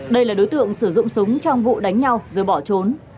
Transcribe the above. đây là đối tượng sử dụng súng trong vụ đánh nhau rồi bỏ trốn